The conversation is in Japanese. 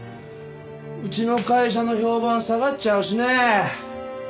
うちの会社の評判下がっちゃうしねえ。